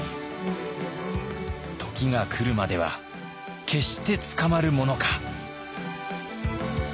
時が来るまでは決して捕まるものか。